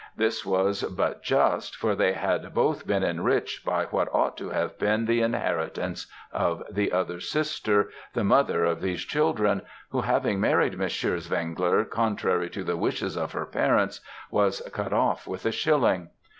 This was but just, for they had both been enriched by what ought to have been the inheritance of the other sister, the mother of these children, who, having married Monsieur Zwengler contrary to the wishes of her parents, was cut off with a shilling.